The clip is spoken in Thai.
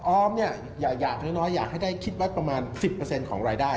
ออมเนี่ยอย่างน้อยอยากให้ได้คิดไว้ประมาณ๑๐ของรายได้